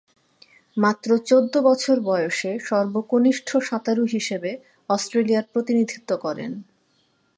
মাত্র চৌদ্দ বছর বয়সে সর্বকনিষ্ঠ সাঁতারু হিসেবে অস্ট্রেলিয়ার প্রতিনিধিত্ব করেন।